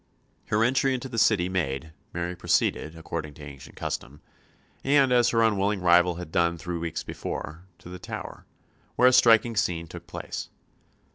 Her entry into the City made, Mary proceeded, according to ancient custom, and as her unwilling rival had done three weeks before, to the Tower, where a striking scene took place.